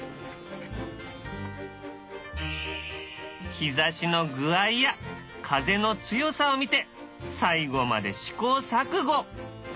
日ざしの具合や風の強さを見て最後まで試行錯誤。